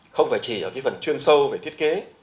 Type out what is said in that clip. không phải chỉ ở cái phần chuyên sâu về thiết kế